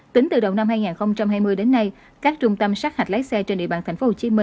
tính từ đầu năm hai nghìn hai mươi đến nay các trung tâm sát hạch lái xe trên địa bàn tp hcm